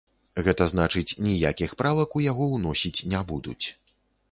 Гэта значыць, ніякіх правак у яго ўносіць не будуць.